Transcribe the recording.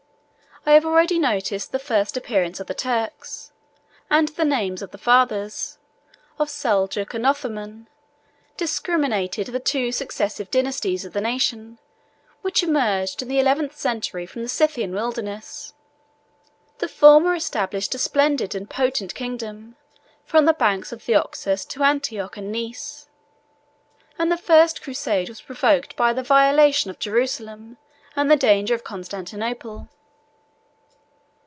I have already noticed the first appearance of the Turks; and the names of the fathers, of Seljuk and Othman, discriminate the two successive dynasties of the nation, which emerged in the eleventh century from the Scythian wilderness. The former established a splendid and potent kingdom from the banks of the Oxus to Antioch and Nice; and the first crusade was provoked by the violation of Jerusalem and the danger of Constantinople.